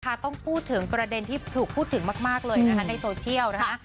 ต้องพูดถึงประเด็นที่ถูกพูดถึงมากเลยนะคะในโซเชียลนะคะ